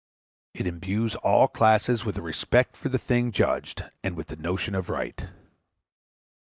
It imbues all classes with a respect for the thing judged, and with the notion of right.